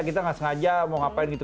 kita nggak sengaja mau ngapain gitu